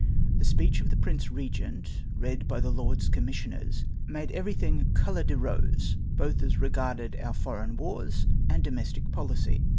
The speech of the Prince Eegent, read by the Lords Commissioners, made everythmg couleur de rose^ both as reo; arded our forei2:n wars and domestic pohcy.